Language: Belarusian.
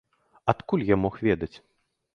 Адкуль я мог ведаць?